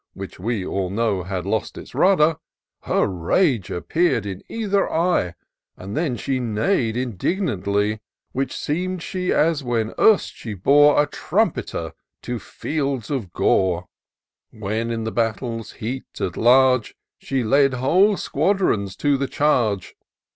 Which we all know had lost its rudder : Her rage appear'd in either eye. And then she neigh'd indignantly. Such seem'd she as when erst she bore A trumpeter to fields of gore ; When, in the battle's heat at large. She led whole squadrons to the charge.